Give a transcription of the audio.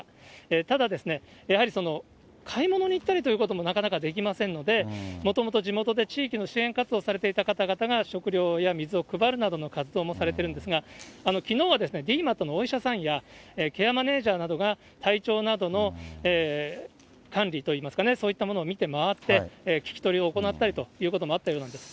ただ、やはり買い物に行ったりということもなかなかできませんので、もともと地元で地域の支援活動をされていた方々が食料や水を配るなどの活動もされているんですが、きのうはＤＭＡＴのお医者さんや、ケアマネージャーなどが体調などの管理といいますか、そういったものを見て回って、聞き取りを行ったりということもあったようなんです。